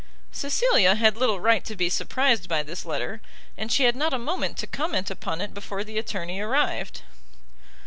Cecilia had little right to be surprised by this letter, and she had not a moment to comment upon it, before the attorney arrived.